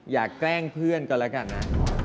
แกล้งเพื่อนก็แล้วกันนะ